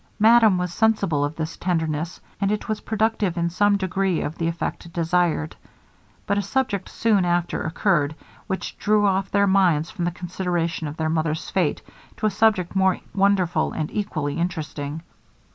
Madame was sensible of this tenderness, and it was productive in some degree of the effect desired. But a subject soon after occurred, which drew off their minds from the consideration of their mother's fate to a subject more wonderful and equally interesting.